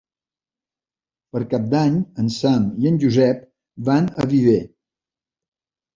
Per Cap d'Any en Sam i en Josep van a Viver.